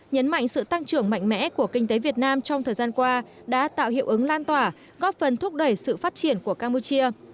nhấn mạnh sự tăng trưởng mạnh mẽ của kinh tế việt nam trong thời gian qua đã tạo hiệu ứng lan tỏa góp phần thúc đẩy sự phát triển của campuchia